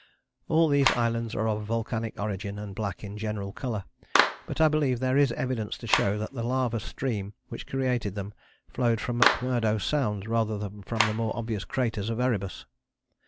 All these islands are of volcanic origin and black in general colour, but I believe there is evidence to show that the lava stream which created them flowed from McMurdo Sound rather than from the more obvious craters of Erebus.